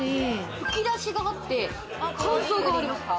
吹き出しがあって、感想があります。